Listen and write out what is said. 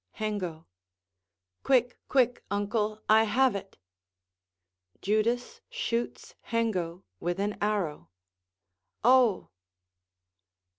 _] Hengo Quick, quick, uncle! I have it. [Judas shoots Hengo with an arrow.] Oh!